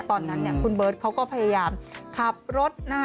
ตอนนั้นคุณเบิร์ตเขาก็พยายามขับรถนะคะ